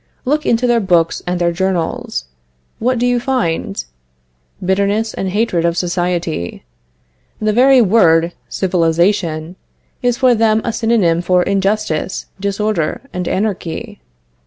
Look into their books and their journals. What do you find? Bitterness and hatred of society. The very word civilization is for them a synonym for injustice, disorder and anarchy.